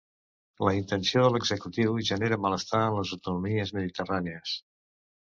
La intenció de l'executiu genera malestar en les autonomies mediterrànies